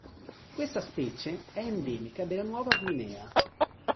Questa specie è endemica della Nuova Guinea.